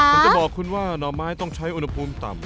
ผมจะบอกคุณว่าหน่อไม้ต้องใช้อุณหภูมิต่ำ